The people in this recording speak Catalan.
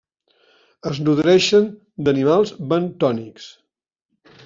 Es nodreixen d'animals bentònics.